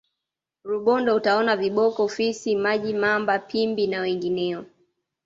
rubondo utaona viboko fisi maji mamba pimbi na wengineo